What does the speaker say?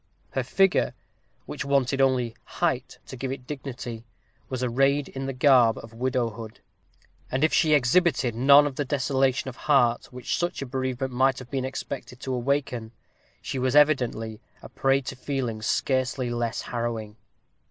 Her figure, which wanted only height to give it dignity, was arrayed in the garb of widowhood; and if she exhibited none of the desolation of heart which such a bereavement might have been expected to awaken, she was evidently a prey to feelings scarcely less harrowing.